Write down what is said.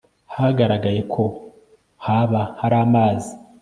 hagaragaye ko haba hari amazi